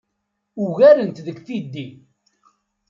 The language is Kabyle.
Ugaren-t deg tiddi.